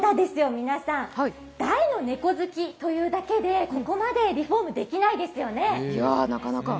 皆さん、大の猫好きというだけでここまでリフォームできないですよね。